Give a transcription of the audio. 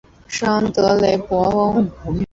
圣昂德雷德博翁。